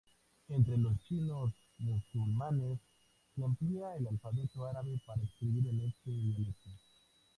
Entre los chinos musulmanes, se emplea el alfabeto árabe para escribir en este dialecto.